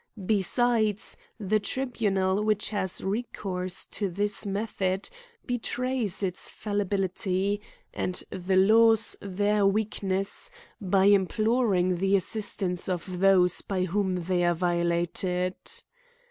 Besides, the tribunal which has recourse to this, method, betrays its fallibility, and the h\ws their weakness, by imploring the assistance of Ithose by vvhona they are violated.